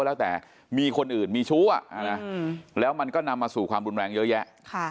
แล้วแต่มีคนอื่นมีชู้แล้วมันก็นำมาสู่ความรุนแรงเยอะแยะ